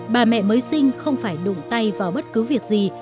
bà mẹ mới sinh không phải đụng tay vào bất cứ việc gì